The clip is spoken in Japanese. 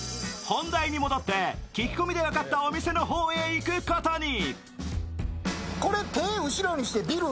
本題に戻って聞き込みで分かったお店の方へ行くことに。